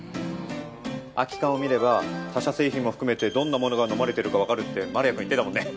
空き缶を見れば他社製品も含めてどんなものが飲まれてるかわかるって丸谷くん言ってたもんね。